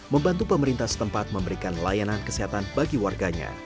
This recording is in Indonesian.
membantu pemerintah setempat memberikan layanan kesehatan bagi warganya